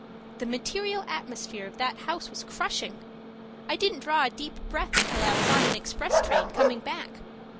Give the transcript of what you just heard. The material atmosphere of that house was crushing; I didn't draw a deep breath until I was on an express train coming back.